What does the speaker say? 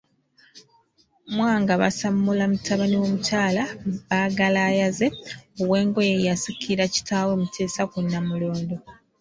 Mwanga Basammula mutabani w'omukyala Baagalaayaze ow'Engonge ye yasikira kitaawe Mutesa ku Nnamulondo.